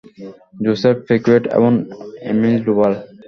Joseph Paquette এবং Emile Duval.